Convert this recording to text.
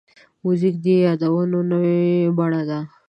موزیک د یادونو نوې بڼه ده.